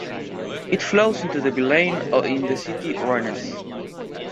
It flows into the Vilaine in the city Rennes.